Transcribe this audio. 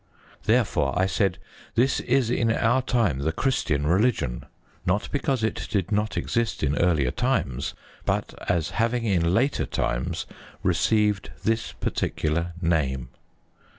Therefore I said, "This is in our time the Christian religion," not because it did not exist in earlier times, but as having in later times received this particular name.